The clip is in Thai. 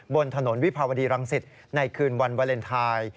บนถนนวิภาวดีรังสิตในคืนวันวาเลนไทย